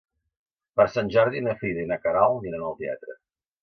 Per Sant Jordi na Frida i na Queralt aniran al teatre.